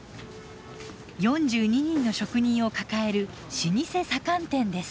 ４２人の職人を抱える老舗左官店です。